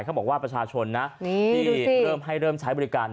เขาบอกว่าประชาชนนะที่เริ่มให้เริ่มใช้บริการ